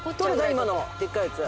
今のでっかいやつ。